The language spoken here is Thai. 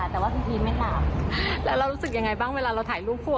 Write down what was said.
หรือว่าแฟนคลับเขาเก่งค่ะ